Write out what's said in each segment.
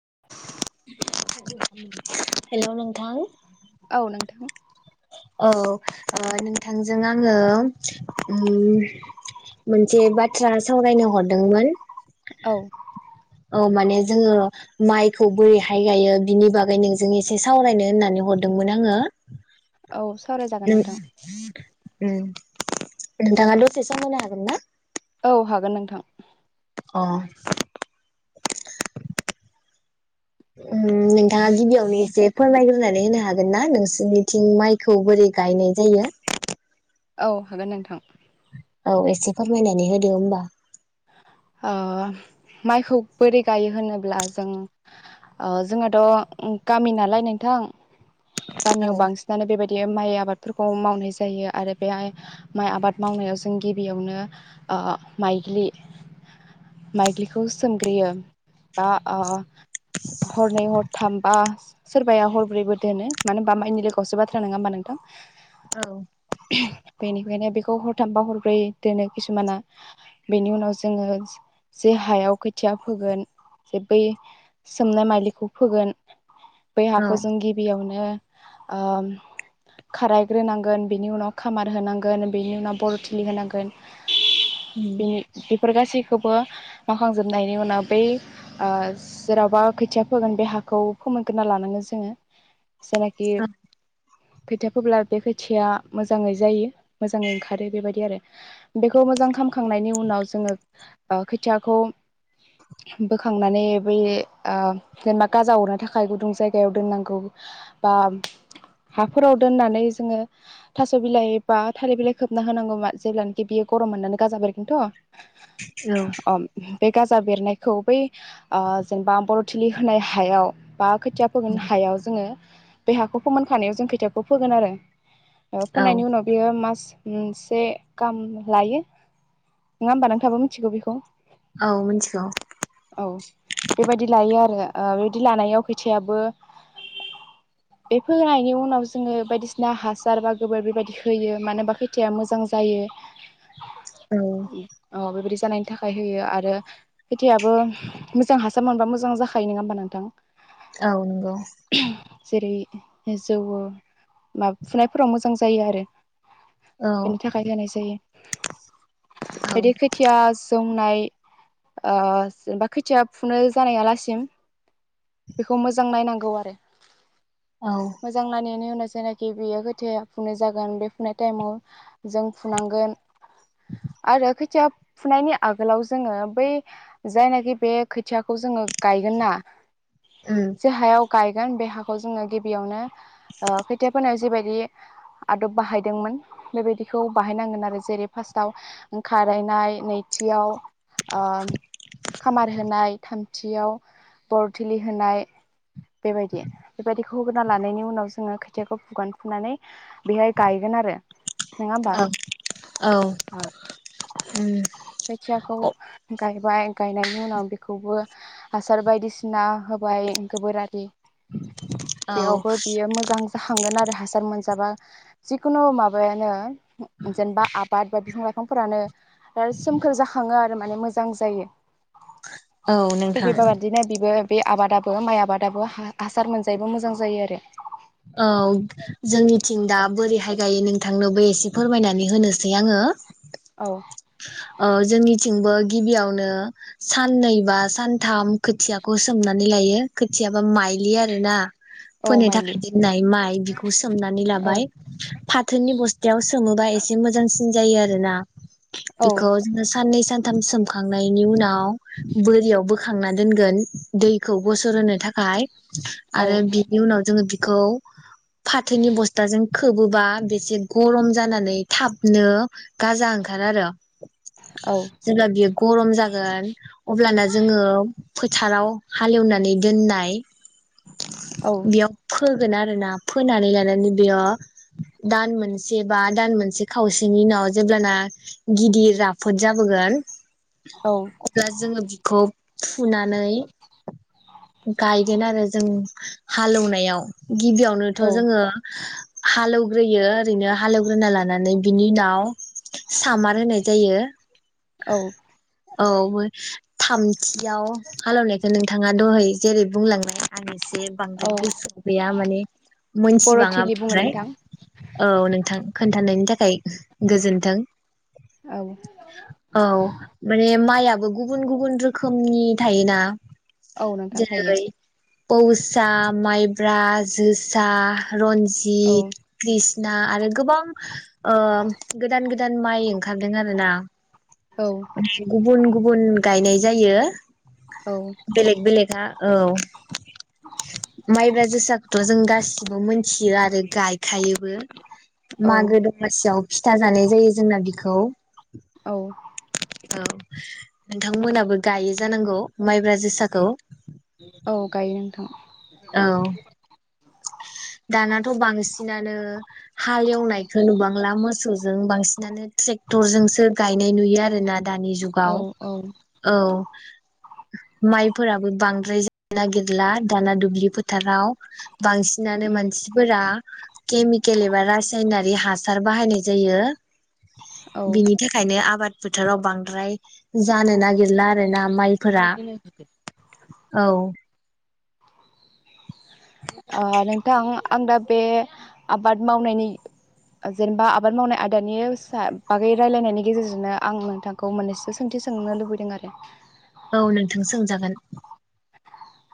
[unintelligible] Hello नोंथां औ नोंथां औ नोंथांजों आङो उम मोनसे बाथ्रा सावरायनो हरदोंमोन औ ओव माने जोङो माइखौ बोरैहाय गायो बिनि बागै नोंजों एसे सावरायनो होननानै हरदोंमोन आङो औ सावरायजागोन नों नोंथां उम नोंथाङा दसे सम होनो हागोन ना औ हागोन नोंथां अ उम नोंथाङा गिबियावनो एसे फोरमायग्रो बुंनानै होनो हागोन ना नोंसोरनिथिं माइखौ बोरै गायनाय जायो औ हागोन नोंथां औ एसे फोरमायनानै होदो होमबा ओ माइखौ बोरै गायो होनोब्ला जों जोंहथ गामि नालाय नोंथां औ गामियाव बांसिनानो बेबादि बे माइ आबादफोरखौ मावनाय जायो आरो बे आइ माइ आबाद मावनायाव जों गिबियावनो ओ माइलि माइग्लिखौ सोमग्रोयो बा ओ हरनै हरथाम बा सोरबाया हरब्रैबो दोनो मानो होनबा माइनि लोगोआवसो बाथ्रा नङा होमा नोंथां औ बेनिखायनो बेखौ हरथामबा हरब्रै दोनो खिसुमाना बेनि उनावसो जोङो जे हायाव खोथिया फोगोन जे बै सोमनाय मायलिखौ फोगोन बै औ हाखौ जों गिबियावनो ओ खारायग्रोनांगोन बिनि उनाव खामार होनांगोन बिनि उनाव बरथिलि होनांगोन उम बेनि बेफोर गासैखौबो मावखांजोबनायनि उनाव बै ओ जेरावबा खोथिया फोगोन बे हाखौ फोमोनग्रोना लानांगोन जोङो जायनाखि खोथिया फोब्ला बे खो खोथिया मोजाङै जायो मोजां ओंखारो बेबायदि आरो बेखौ मोजां खामखांनायनि उनाव जोङो ओ खोथियाखौ बोखांनानै बै ओ जेनेबा गाजा अरनो थाखाय गुदुं जायगायाव दोननांगौ बा हाफोराव दोननानै जोङो थास बिलाइ बा थालिर बिलाइ खोबना होनांगौ मा जेब्लानोाखि बियो गरम मोननानै गाजा बेरगोनथ औ अ बे गाजा बेरनायखौ बै ओ जेनेबा बर थिलि होनाय हायाव बा खो खोथिया फोगोन हायाव जोङो बे हाखौ फोमोनखानायाव जों खोथियाखौ फोगोन आरो ओ औ फोननायनि उनाव बियो मास मास मोनसे गाम लायो नङा होनबा नोंथाङाबो मिथिगौ बिखौ औ मिथिगौ औ बेबायदि लायोआरो ओ बेबायदि लानायाव बिथायाबो बे फोनायनि उनाव जोङो बायदिसिना हासार बा गोबोर बेबायदि होयो मानो होनबा खैथाया मोजां जायो औ अ बेबायदि जानायनि थाखाय होयो आरो खोथियाबो मोजां हासार मोनबा मोजां जाखायो नङा होमबा नोंथां औ नोंगौ जेरै जौवो माब फुनायफोराव मोजां जायो आरो। औ बेनि थाखाय होनाय जायो। बायदि खोथिया स जौनाय ओ जेनबा खोथिया फुनो जानायालासिम बेखौ मोजां नायनां गौ आरो औ मोजां नायनायनि उनाव जायनाखि बेयो खोथाया फुनाय जागोन बे फुननाय टाइमाव जों फुनांगोन आरो खो थिया फुनायनि आगोलाव जोङो बै जायनाखि बे खोथियाखौ जोङो गायगोनना औ जे हायाव गायगोन बे हाखौ जोङो गिबियावनो ओ खोथिया फोनायाव जिबायदि आदब बाहायदोंमोन बेबायदिखौ बाहायनांगोन आरो जेरै फार्स्टआव ओं खारायनाय, नैथियाव ओ खामार होनाय, थामथियाव बरथिलि होनाय बेबायदि। बेबायदिखौ होग्रोना लानायनि उनाव जोङो खोथियाखौ फुगोन फुनानै बेहाय गायगोन आरो। नङा होमबा औ औ ओ खोथियाखौ गाय बाय गायनायनि उनाव बेखौबो हासार बायदिसिना होबाय, गोबोरारि। बेयावबो बियो मोजां जाखांगोन आरो हासार मोनजाबा। जिखुनु माबायानो जेनेबा आबाद बा बिफां लाइफां फोरानो आरो सोमखोर जाखाङो आ रो माने मोजां जायो। औ थिग नोंथां बेबाबादिनो बिबो बे आबादाबो माइ आबादाबो हा-हासार मोनजायबो मोजां जायो आरो औ जोंनिथिं दा बोरैहाय गायो नों थांनोबो एसे फोरमायनानै होनोसै आङो औ ओ जोंनि थिंबो गिबियावनो साननै बा सानथाम खोथियाखौ सोमनानै लायो खोथियाबा माइलि आरो ना औ माइलि गायदेरनाय माइ बिखौ सोमनानै औ लाबाय फाथोनि बस्थायाव सोमोबा एसे मोजां सिन जायो आरो ना। औ बेखौ जोङो साननै सान सानथाम सोमखांनायनि उनाव बोरियाव बोखांना दोनगोन दैखौ गसर होनो थाखाय औ आरो बिनि उनाव जोङो बि खौ फाथोनि बस्थाजों खोबोबा इसे गरम जानानै थाबनो गाजा ओंखारो आरो। औ जेब्ला बियो गरम जागोन अब्लाना जोङो फोथाराव हालेव नानै दोननाय। औ बेयाव फोगोन आरोना फोनानै लानानै बेयाव दान मोनसे बा दान मोनसे खावसेनि उनाव जेब्लाना गिदिर राफोद जाबोगोन औ अब्ला जोङो बिखौ फुनानै गायगोन आरो जों हालौनायाव गिबियावनोथ' जोङो हालौवग्रोयो ओरैनो हालेवग्रोना लानानै बिनि उनाव सामार होनाय जायो। औ औ थामथियाव हालेवनायखौ नोंथाङा दहाय जेरै बुंलांनाय आं एसे औ बांद्राइ गोसोआव या माने बर' मोनथिबांङा थिलि बुङो बांद्राय नोंथां औ नोंथां खोनथा होननायनि थाखाय गोजोन्थों। औ औ माने माया गुबुन गुबुन रोखोमनि थायोना औ नोंथां जेरै थायो पौसा माइ ब्रा जोसा औ रन्जित, कृष्णा आरो गोबां गोदान गोदान गोदान माइ ओंखारदों आरोना औ गुबुन गु बुन गायनाय जायो। औ बेलेग बेलग हा औ माइब्रा जो जों गासिबो मोनथियो आरो गायखायोबो। औ मागो दमासियाव फिथा जानाय जायो जोंना बिख खौ। औ नोंथांमोनाबो गायो जानांगौ माइब्रा जोसाखौ औ गायो नोंथां। औ दाना नाथ बांसिनानो हाल एवनायखो नुबांला मोसौजों बांसिनानो ट्रेक्टरजोंसो गायनाय नुयो आरोना दानि जुगाव औ औ औ माइफोराबो बांद्राय जा नागिरला दाना दु ब्लि फोथाराव बांसिनानो उम मानसिफोरा केमिकेल एबा रासायनारि हासार बाहायनाय जायो। औ ओ बिनि थाखायनो आबाद फोथाराव बांद्राय जानो नागिरला आरो ना माइफोरा औ ओ नोंथां आं दा बे आबाद मावनायनि जेनेबा आबाद मावनाय आयदानि सा बागै रायलायनायनि गेजेरजोंनो आं नोंथांखौ मोननैसो सोंथि सोंनो लुबैदों आरो औ नोंथां सो सोंजागोन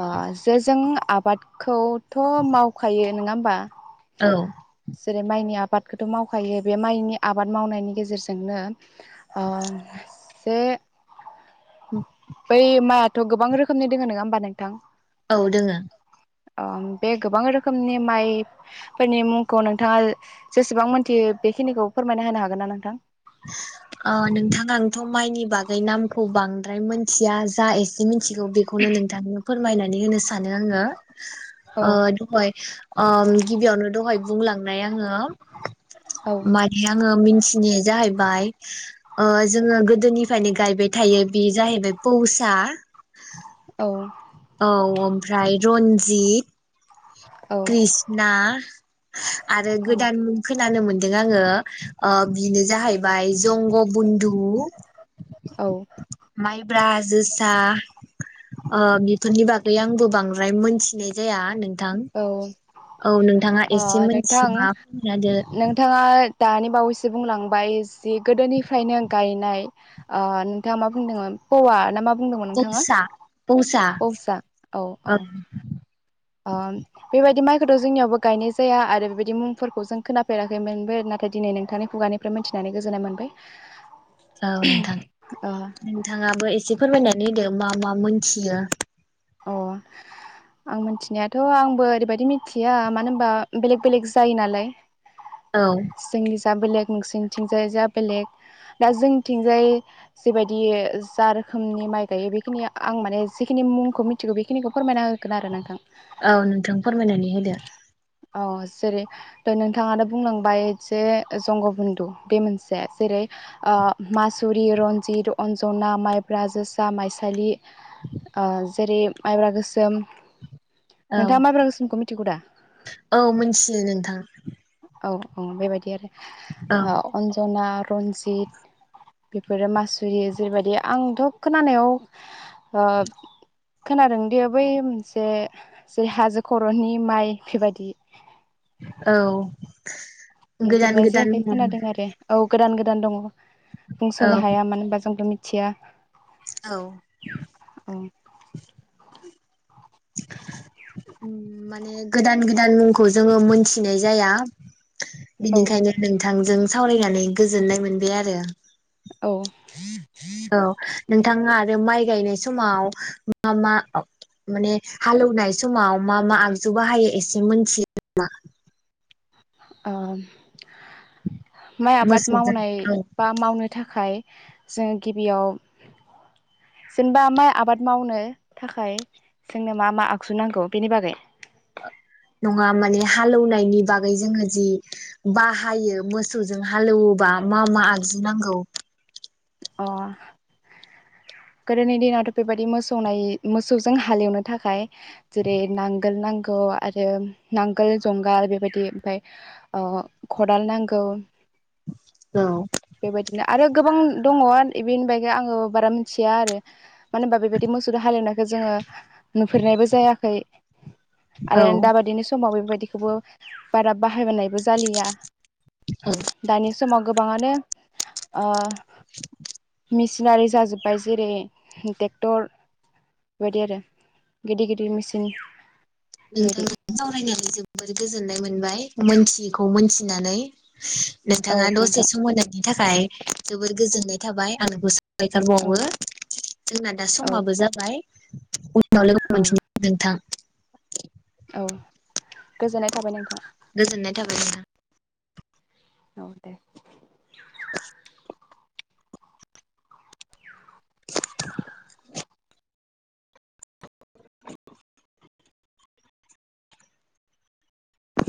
ओ जे जों आबादखौ थ मावखायो नोङा होमबा? औ जेरै माइनि आ बादखौथ मावखायो बे माइनि आबाद मावनायनि गेजेरजोंनो ओ जे बै माइआथ गोबां रोखोमनि दोङो नोङा होमबा नोंथां? औ दोङो अ बे गोबां रोखोमनि माइ फोरनि मुंखौ नोंथाङा जेसेबां मोनथियो बेखिनिखौ फोरमायना होनो हागोन ना नोंथां? ओ नोंथां आंथ माइनि बागै नामखौ बांद्राय मोनथिया जा एसे मिनथि बेखौनो नोंथां फोरमायनानै होनो सानो आङो औ ओ दहाय ओ गिबियावनो दहाय बुंलांनाय आङो औ मादि आङो मिनथिनो जाहै बाय ओ जोङो गोदोनिफायनो गायबाय थायो बि जाहैबाय पौसा औ औ ओमफ्राय रन्जित औ कृष्णा आरो गोदान खो नानो मोनदों आङो ओ बिनो जाहैबाय जंग बुन्दु दु औ माइब्रा ज जोसा ओ बिफोरनि बागै आंबो बांद्राय मोनथिनाय जाया। नोंथां औ नोंथाङा ओ एसे नोंथां मोनथिबा फोरमायना होदो। नोंथाङा दानि बावैसो बुंलांबाय जि गोदोनिफ्रायनो गायनाय नोंथांङा मा बुंदोंमोन पवा ना मा बुंदोंमोन नोंथाङा पौसा पौसा औ ओ बेबायदि माइ गोदो जोंनियावबो गायनाय जाया आरो बेबायदि मुंफोरखौ जों खोनाफेराखैमोनबो नाथाय दिनै नोंथांनि खुगानिफ्राय मिथिनानै गोजोननाय मोनबाय। औ नोंथां नोंथाङाबो एसे फोरमायनानै दो मा मा मोनथियो। अ आं मिथिनायाथ आंबो ओरैबायदि मिथिया मानो होनबा बेलेग बेलेग जायो नालाय। औ जोंनिजा बेलेग नोंसिनथिंजाय जा बेलेग दा जोंनिथिंजाय जेबायदि जा रोखोमनि माइ गायो बेखिनि आं माने जिखिनि मुं खौ मिथिगौ बेखिनिखौ फोरमायना हो औ नोंथां फोरमायनानै होदो। औ जेरै नोंथाङानो बुंलांबाय जे जंगबन्न्दु बे मोनसे जेरै ओ मासुरि, रन्जित, अन्जना, माइब्रा, जोसा, माइसालि। ओ जेरै माइब्रा गोसोम। औ नोंथांङा माइब्रा गोसोमखौ मिथिगौ दा? औ मिन्थियो नोंथां। औ औ बेबायदि आरो। औ ओ अनजाना रन्जित बेफोरो मासुरि जेरैबायदि आंथ खोनानायाव [unintelligible] खोनादोंदि बै मोनसे जे हाजो खरनि माइ बेबायदि औ गोदान नुफेरनाय गोदान जायाखै मुं खोनादों आरो। औ गोदान गोदान दङ। औ बुंसनो हाया मानो होनबा जोंथ मि थिया औ [inaudible] उम्म माने गोदान गोदान मुंखौ जोङो मोनथिनाय जाया। औ बेनिखायनो नोंथांजों सावरायनानै गोजोननाय मोनबाय आरो औ औ नोंथाङा आरो माइ गायनाय समाव मा मा? माने हालवनाय समाव मा मा आगजु बाहायो एसे मिथियो नामा? ओम माइ आबाद मोसौजों मावनाय औ बा मावनो थाखाय जों गिबियाव जेनेबा माइ आबाद मावनो थाखाय जोंनो मा मा आगजु नांगौ बेनि बागै। नङा माने हालेवनायनि बागै जोङो जि बाहायो मोसौजों हालौवोबा मा मा आगजु नांगौ। अ गोदोनि दिनावथ बेबायदि मोसौ नायै मोसौजों हालेवनो थाखाय जेरै नांगोल नांगौ आरो नांगोल जुंगाल बेबायदि ओमफाय अ खदाल नांगौ। औ बेबायदिनो आरो गोबां दङ एनि बागै आङो बारा मिथिया आरो मानो होनबा बेबायदि मोसौजों हालेवनायखौ जोङो नुफेरनायबो जायाखै औ आरो दाबायदिनि समाव बेबाय बिखौबो बारा बाहायबोनायबो जालिया औ दानि समाव गोब गोबाङानो ओ मिसिनारि जाजोब्बाय जेरै ट्रेक्टर बेबायदि आरो गिदिर गिदिर मेचिन बेबायदि नोंथांजों सावरायनानै जोब जोबोर गोजोननाय मोनबाय मोनथियैखौ मोनथिनानै औ नोंथाङा दसे नोंथां सम होनायनि थाखाय जोबोद गोजोननाय थाबाय आं औ गायथारबावो जोंना दा औ समाबो जाबाय औ [unintelligible] नोंथां औ गोजोननाय थाबाय नोंथां जाबाय नोंथां औ दे [inaudible]